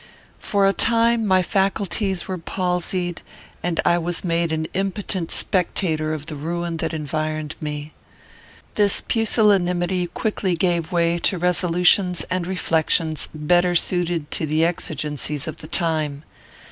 For a time my faculties were palsied, and I was made an impotent spectator of the ruin that environed me. This pusillanimity quickly gave way to resolutions and reflections better suited to the exigencies of the time.